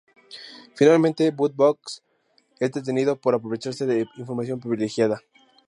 Finalmente, Bud Fox es detenido por aprovecharse de información privilegiada.